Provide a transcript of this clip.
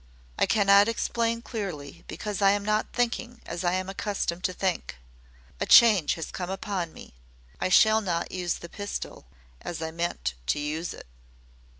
I cannot explain clearly because I am not thinking as I am accustomed to think. A change has come upon me. I shall not use the pistol as I meant to use it."